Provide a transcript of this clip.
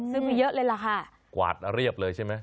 ซึ่งมีเยอะเลยราคากวาดเรียบเลยใช่ไหม